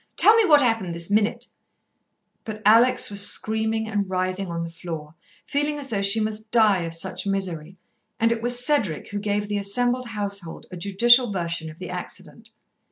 Tell me what happened, this minute." But Alex was screaming and writhing on the floor, feeling as though she must die of such misery, and it was Cedric who gave the assembled household a judicial version of the accident.